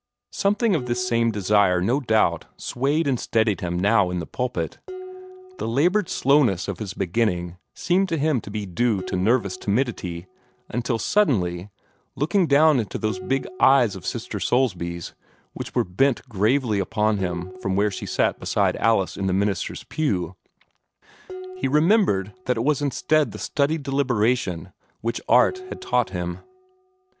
Something of this same desire no doubt swayed and steadied him now in the pulpit. The labored slowness of his beginning seemed to him to be due to nervous timidity, until suddenly, looking down into those big eyes of Sister Soulsby's, which were bent gravely upon him from where she sat beside Alice in the minister's pew, he remembered that it was instead the studied deliberation which art had taught him.